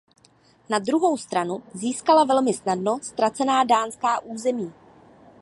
Na druhou stranu získala velmi snadno ztracená dánská území.